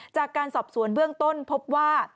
จากการสอบสวนเบื้องต้นพบว่า